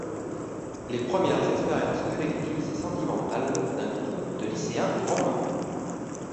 Les premières expériences collectives et sentimentales d'un groupe de lycéens romains.